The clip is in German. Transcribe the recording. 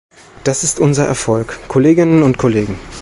Das ist unser Erfolg, Kolleginnen und Kollegen.